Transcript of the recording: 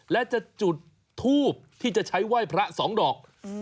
และจะจุดทูบที่จะใช้ไหว้พระ๒ดอก